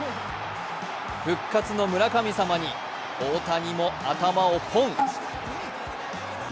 復活の村神様に大谷も頭をぽん。